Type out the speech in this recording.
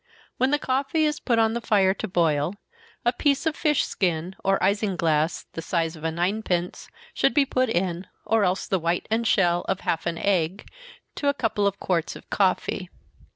When the coffee is put on the fire to boil, a piece of fish skin or isinglass, of the size of a nine pence, should be put in, or else the white and shell of half an egg, to a couple of quarts of coffee.